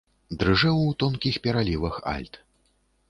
Дрыжэў у тонкіх пералівах альт.